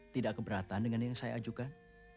tidak keberatan dengan yang saya ajukan